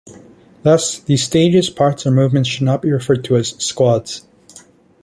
Thus, these stages, parts, or movements should not be referred to as "squads".